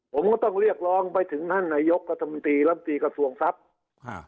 ผมก็ต้องเรียกร้องไปถึงท่านนายกรัฐมนตรีลำตีกระทรวงทรัพย์ฮะ